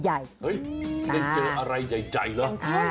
เฮ้ยได้เจออะไรใหญ่เหรอ